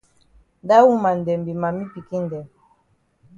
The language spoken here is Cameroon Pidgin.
Dat woman dem be mami pikin dem.